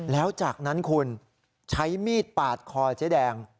แล้วจากนั้นคุณใช้มีดปาดคอเจ๊แดง